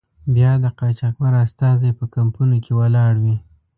بیا د قاچاقبر استازی په کمپونو کې ولاړ وي.